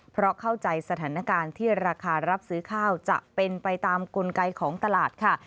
เพราะเข้าใจสถานการณ์ที่ราคารับซื้อข้าวจะเป็นไปตามกลไกของตลาดค่ะ